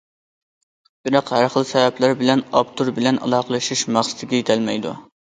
بىراق ھەر خىل سەۋەبلەر بىلەن ئاپتور بىلەن ئالاقىلىشىش مەقسىتىگە يېتەلمەيدۇ.